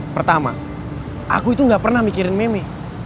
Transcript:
pertama aku itu gak pernah mikirin meme